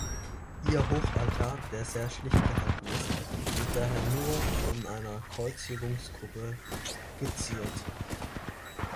Ihr Hochaltar, der sehr schlicht gehalten ist, wird daher nur von einer Kreuzigungsgruppe geziert.